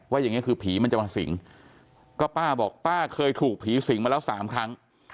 อย่างนี้คือผีมันจะมาสิงก็ป้าบอกป้าเคยถูกผีสิงมาแล้ว๓ครั้ง